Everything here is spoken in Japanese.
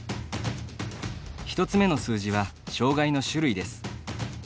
１つ目の数字は障がいの種類です。